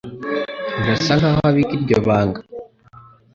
Birasa nkaho abika iryo banga.